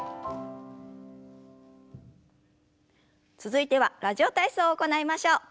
続いては「ラジオ体操」を行いましょう。